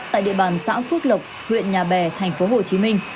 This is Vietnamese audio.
tại địa bàn xã phước lộc huyện nhà bè tp hcm